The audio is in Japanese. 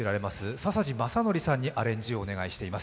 笹路正徳さんにアレンジをお願いしています。